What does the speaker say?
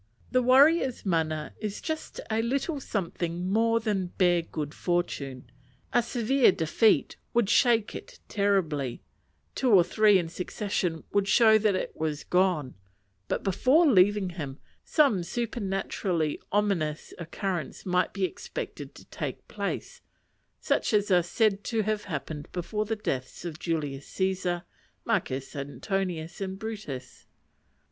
The warrior's mana is just a little something more than bare good fortune; a severe defeat would shake it terribly; two or three in succession would show that it was gone: but before leaving him, some supernaturally ominous occurrence might be expected to take place, such as are said to have happened before the deaths of Julius Cæsar, Marcus Antonius, or Brutus.